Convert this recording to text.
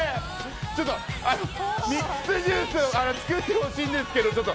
ちょっと、ミックスジュース作ってほしいんですけど。